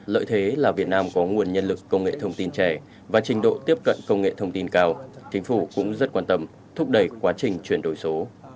lợi thế là việt nam có nguồn nhân lực công nghệ thông tin trẻ và trình độ tiếp cận công nghệ thông tin cao chính phủ cũng rất quan tâm thúc đẩy quá trình chuyển đổi số